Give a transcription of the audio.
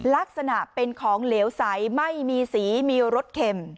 ลักษณะเป็นของเหลวใสไม่มีสีมีรสเข็ม